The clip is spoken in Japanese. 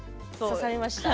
刺さりました。